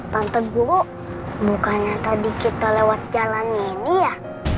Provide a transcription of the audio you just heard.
tante gu bukannya tadi kita lewat jalan ini ya